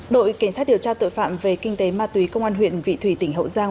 đội cảnh sát điều tra tội phạm về kinh tế ma túy công an huyện vị thủy tỉnh hậu giang